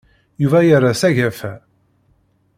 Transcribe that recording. Yuba yerra s agafa.